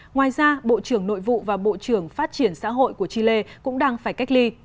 ngoài ra bộ trưởng nội vụ và bộ trưởng phát triển xã hội của chile cũng đang phải cách ly